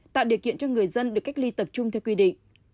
tạo điều kiện cho người dân được cách ly tập trung theo quy định